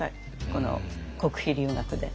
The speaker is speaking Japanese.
この国費留学で。